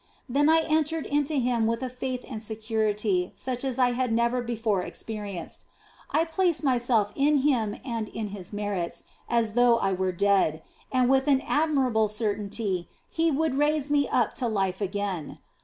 Then I entered into Him with a faith and security such as I had never before experienced ; I placed myself in Him and in His merits as though I were dead, with an admirable certainty that He would raise me up to life again.